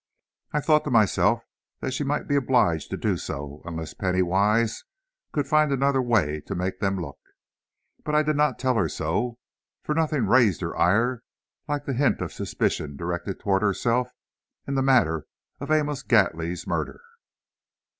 I thought to myself that she might be obliged to do so, unless Penny Wise could find another way to make them look. But I did not tell her so, for nothing raised her ire like the hint of suspicion directed toward herself in the matter of Amos Gately's murder.